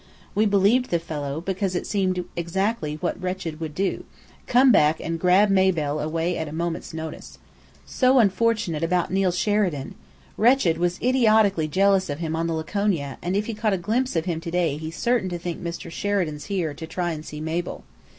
We believed the fellow, because it seemed exactly what Wretched would do come back and grab Mabel away at a minute's notice. So unfortunate about Neill Sheridan! Wretched was idiotically jealous of him on the Laconia; and if he caught a glimpse of him to day he's certain to think Mr. Sheridan's here to try and see Mabel.